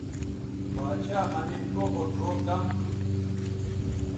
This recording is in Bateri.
باڇھا مہ نِن او خو ڙھؤ کم تھو